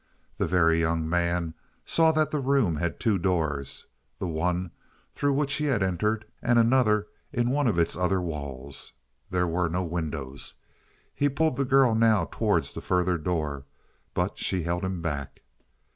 The Very Young Man saw that the room had two doors the one through which he had entered, and another in one of its other walls. There were no windows. He pulled the girl now towards the further door, but she held him back.